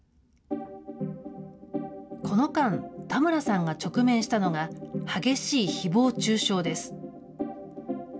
この間、田村さんが直面したのが、激しいひぼう中傷です。